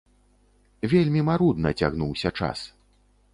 Вельмі марудна цягнуўся час.